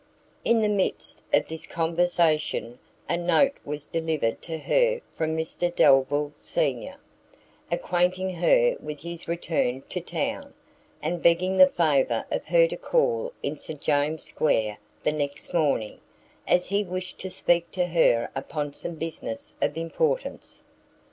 In the midst of this conversation, a note was delivered to her from Mr Delvile senior, acquainting her with his return to town, and begging the favour of her to call in St James's square the next morning, as he wished to speak to her upon some business of importance.